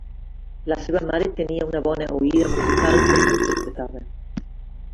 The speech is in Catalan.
La seva mare tenia una bona oïda musical, però no interpretava.